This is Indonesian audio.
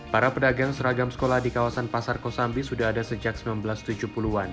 para pedagang seragam sekolah di kawasan pasar kosambi sudah ada sejak seribu sembilan ratus tujuh puluh an